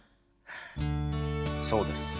そうです。